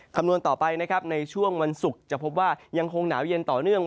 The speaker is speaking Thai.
คำนวณต่อไปนะครับในช่วงวันศุกร์จะพบว่ายังคงหนาวเย็นต่อเนื่อง